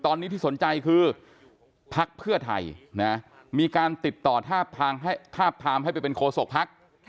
ตอนนี้ที่สนใจคือพรรคเพื่อไทยมีการติดต่อทาบทามให้เป็นโคสกพรรค